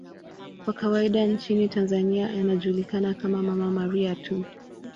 Kwa kawaida nchini Tanzania anajulikana kama 'Mama Maria' tu.